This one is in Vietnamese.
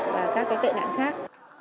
và các kệ nạn khác